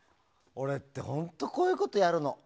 俺って本当にこういうことやるの。